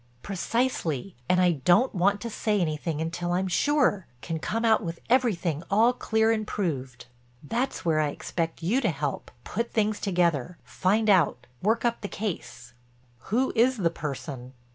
"Precisely. And I don't want to say anything until I'm sure, can come out with everything all clear and proved. That's where I expect you to help, put things together, find out, work up the case." "Who is the person?"